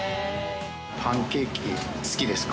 パンケーキ、好きですか？